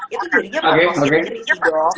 itu jadinya bagus sih di sini dok